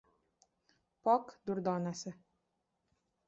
Pok durdonasi